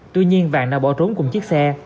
tuy nhiên vàng đã bỏ trốn cùng chiếc xe